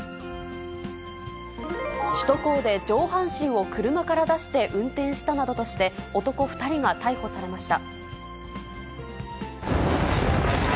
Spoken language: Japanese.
首都高で上半身を車から出して運転したなどとして、男２人が逮捕されました。